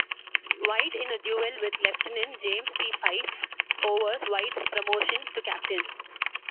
White in a duel with Lieutenant James P. Fyffe over White's promotion to captain.